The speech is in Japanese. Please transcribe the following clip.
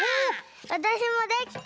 わたしもできた！